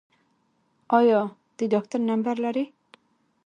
ایا د ډاکټر نمبر لرئ؟